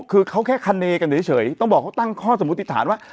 คือเขาแค่คณีกันเฉยต้องบอกเขาตั้งข้อสมมุติฐานว่า